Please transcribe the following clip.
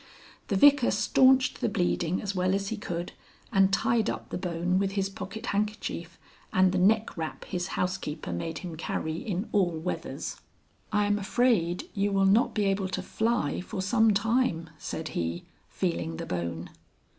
The Vicar stanched the bleeding as well as he could and tied up the bone with his pocket handkerchief and the neck wrap his housekeeper made him carry in all weathers. "I'm afraid you will not be able to fly for some time," said he, feeling the bone.